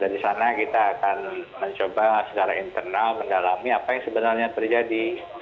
dan di sana kita akan mencoba secara internal mendalami apa yang sebenarnya terjadi